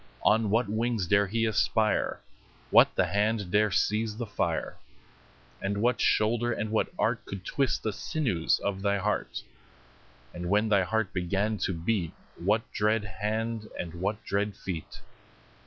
On what wings dare he aspire? What the hand dare seize the fire? And what shoulder and what art Could twist the sinews of thy heart? 10 And when thy heart began to beat, What dread hand and what dread feet?